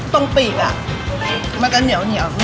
ตรงปีกอ่ะมันก็เหนียวเหนียว